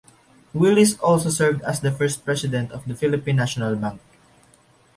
Willis also served as the first president of the Philippine National Bank.